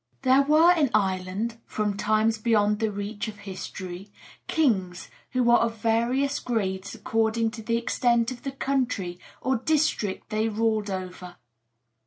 There were in Ireland, from times beyond the reach of history, kings, who were of various grades according to the extent of the country or district they ruled over.